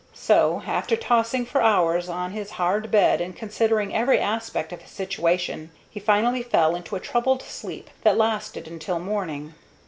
So, after tossing for hours on his hard bed and considering every aspect of his situation, he finally fell into a troubled sleep that lasted until morning.